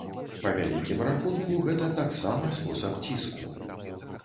Па вялікім рахунку, гэта таксама спосаб ціску.